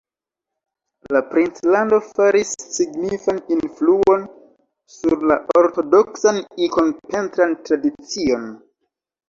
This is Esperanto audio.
La princlando faris signifan influon sur la ortodoksan ikon-pentran tradicion.